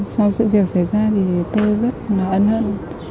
sau sự việc xảy ra thì tôi rất là ân hận